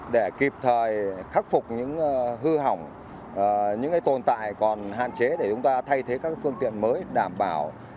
để kịp thời khắc phục những hư hỏng những tồn tại còn hạn chế để chúng ta thay thế các phương tiện mới đảm bảo